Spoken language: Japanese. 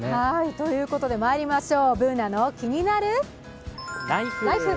ということで、まいりましょう、「ＢｏｏｎａのキニナルＬＩＦＥ」。